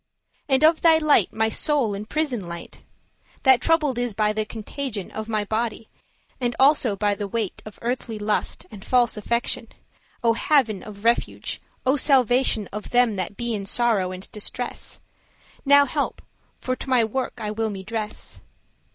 And of thy light my soul in prison light, That troubled is by the contagion Of my body, and also by the weight Of earthly lust and false affection; O hav'n of refuge, O salvation Of them that be in sorrow and distress, Now help, for to my work I will me dress.